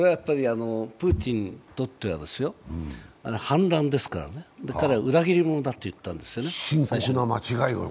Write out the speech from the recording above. プーチンにとってはですよ、反乱ですから、彼は裏切り者だと言ったんですよね。